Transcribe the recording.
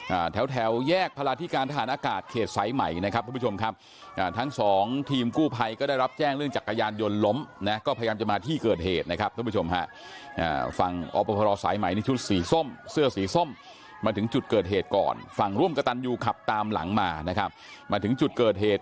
แถวแถวแยกพลาธิการทหารอากาศเขตสายใหม่นะครับทุกผู้ชมครับอ่าทั้งสองทีมกู้ภัยก็ได้รับแจ้งเรื่องจักรยานยนต์ล้มนะก็พยายามจะมาที่เกิดเหตุนะครับท่านผู้ชมฮะอ่าฝั่งอพรสายใหม่ในชุดสีส้มเสื้อสีส้มมาถึงจุดเกิดเหตุก่อนฝั่งร่วมกระตันยูขับตามหลังมานะครับมาถึงจุดเกิดเหตุ